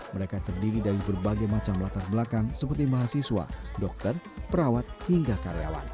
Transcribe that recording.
mereka terdiri dari berbagai macam latar belakang seperti mahasiswa dokter perawat hingga karyawan